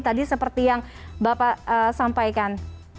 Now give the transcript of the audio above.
tadi seperti yang bapak sampaikan